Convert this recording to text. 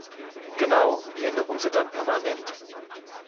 Genau, die Änderungen sind dann permanent.